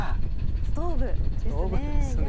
ストーブですね。